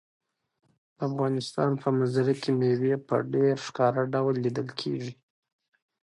د افغانستان په منظره کې مېوې په ډېر ښکاره ډول لیدل کېږي.